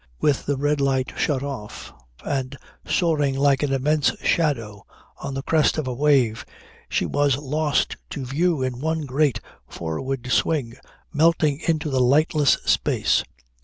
With the red light shut off and soaring like an immense shadow on the crest of a wave she was lost to view in one great, forward swing, melting into the lightless space.